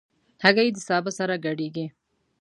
هګۍ له سابه سره ګډېږي.